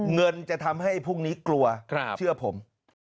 เงินจะทำให้พรุ่งนี้กลัวเชื่อผม